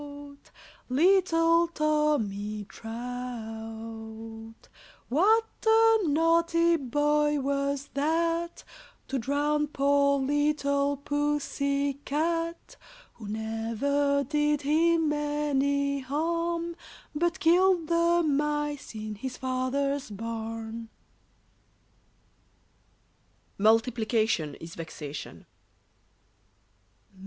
Little Tommy Trout. What a naughty boy was that, To drown poor little Pussy cat, Who never did him any harm, But killed the mice in his father's barn. [Illustration: "MULTIPLICATION IS VEXATION."